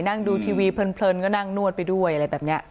นั่งดูทีวีเพลินก็นั่งนวดไปด้วยอะไรแบบนี้